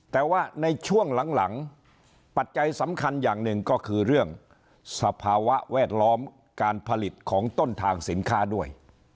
แต่ว่าในช่วงหลังปัจจัยสำคัญอย่างหนึ่งก็คือเรื่องสภาวะแวดล้อมการผลิตของต้นทางสินค้าด้วย